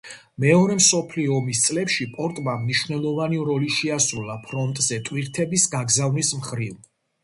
მეორე მსოფლიო ომის წლებში პორტმა მნიშვნელოვანი როლი შეასრულა ფრონტზე ტვირთების გაგზავნის მხრივ.